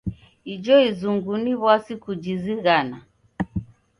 Ijo izungu ni w'asi kujizighana.